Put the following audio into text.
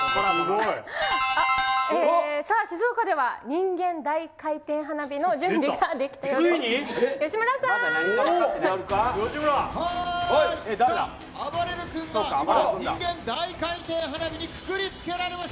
さあ、静岡では人間大回転花火の準備ができております。